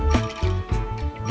hasta setengah hari